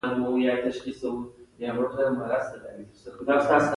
په بهرنیو اسعارو راکړه ورکړه غلطه ده.